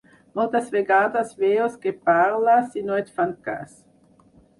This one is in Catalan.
Moltes vegades veus que parles i no et fan cas.